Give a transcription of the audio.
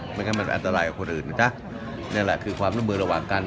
ไม่งั้นมันอันตรายกับคนอื่นนะจ๊ะนี่แหละคือความร่วมมือระหว่างกัน